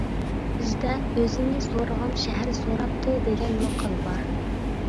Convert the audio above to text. بىزدە «ئۆزىنى سورىغان شەھەر سوراپتۇ» دېگەن ماقال بار.